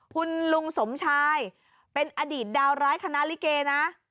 คุณลุงสมชายเป็นอดีตดาวร้ายคณะลิเกนะ